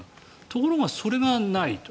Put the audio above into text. ところがそれがないと。